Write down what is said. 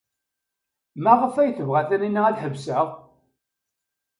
Maɣef ay tebɣa Taninna ad ḥebseɣ?